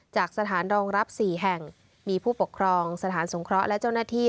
จากสถานรองรับสี่แห่งมีผู้ปกครองสถานสงเคราะห์และเจ้าหน้าที่